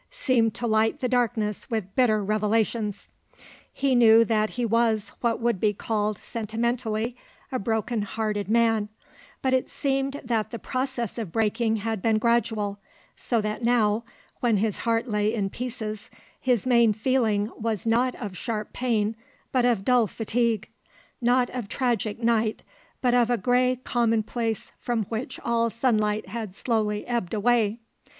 seemed to light the darkness with bitter revelations. He knew that he was what would be called, sentimentally, a broken hearted man; but it seemed that the process of breaking had been gradual; so that now, when his heart lay in pieces, his main feeling was not of sharp pain but of dull fatigue, not of tragic night, but of a grey commonplace from which all sunlight had slowly ebbed away.